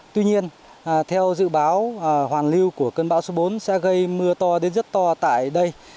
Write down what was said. tuy nhiên theo dự báo hoàn lưu của cơn bão số bốn sẽ gây mưa to đến rất to tại đây